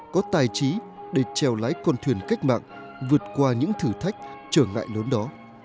có tài trí để trèo lái con thuyền cách mạng vượt qua những thử thách trở ngại lớn đó